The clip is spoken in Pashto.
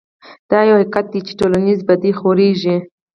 دا يو حقيقت دی چې ټولنيزې بدۍ خورېږي.